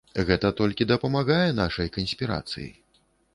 Гэта толькі дапамагае нашай канспірацыі.